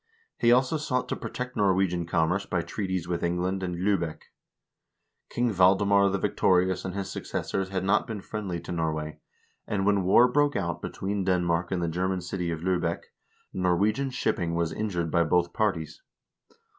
He also sought to protect Norwegian commerce by treaties with England and Liibeck. King Valdemar the Victorious and his successors had not been friendly to Norway, and when war broke out between Denmark and the German city of Liibeck, Norwegian shipping was injured by both parties.